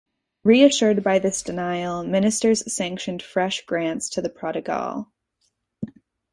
Reassured by this denial, ministers sanctioned fresh grants to the prodigal.